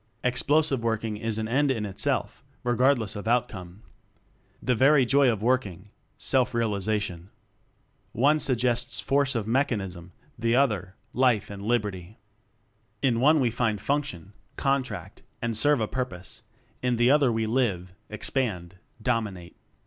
Explosive Working is an end in itself, regardless of outcome. The very joy of working. Self realization. One suggests Force and Mechanism; the other, Life and Liberty. In one we function, contract, and serve a purpose; in the other we live, expand, dominate.